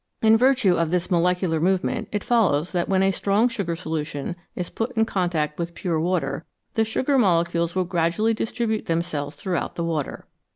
In virtue of this molecular movement, it follows that when a strong sugar solution is put in contact with pure water the sugar molecules will gradually distribute them selves throughout the water.